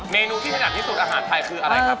เมนูที่ถนัดที่สุดอาหารไทยคืออะไรครับ